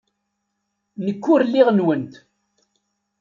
Nekk ur lliɣ nwent.